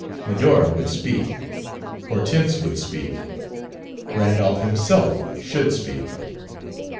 Medora would speak; Hortense would speak; Randolph himself should speak.